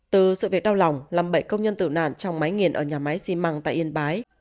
từ sự việc đau lòng làm bảy công nhân tử nạn trong máy nghiền ở nhà máy xi măng tại yên bái